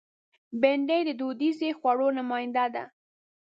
بېنډۍ د دودیزو خوړو نماینده ده